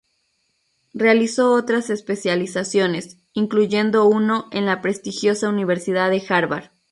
Realizó otras especializaciones, incluyendo uno en la prestigiosa Universidad de Harvard.